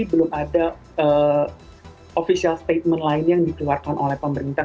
belum ada official statement lain yang dikeluarkan oleh pemerintah